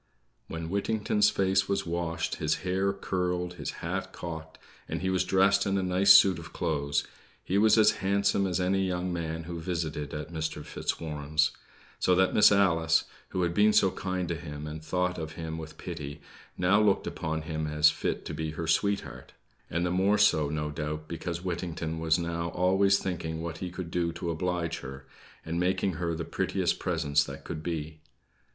When Whittington's face was washed, his hair curled, his hat cocked, and he was dressed in a nice suit of clothes, he was as handsome as any young man who visited at Mr. Fitzwarren's; so that Miss Alice, who had been so kind to him, and thought of him with pity, now looked upon him as fit to be her sweetheart; and the more so, no doubt, because Whittington was now always thinking what he could do to oblige her, and making her the prettiest presents that could be.